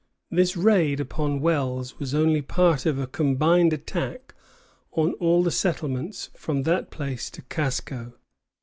This raid upon Wells was only part of a combined attack on all the settlements from that place to Casco.